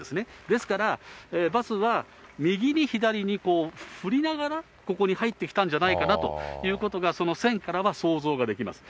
ですから、バスは右に左に振りながら、ここに入ってきたんじゃないかなということが、その線からは想像ができます。